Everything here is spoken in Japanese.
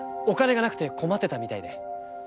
お金がなくて困ってたみたいで。